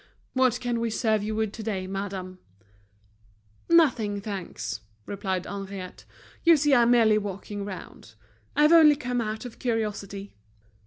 "What can we serve you with today, madame?" "Nothing, thanks," replied Henriette. "You see I'm merely walking round; I've only come out of curiosity."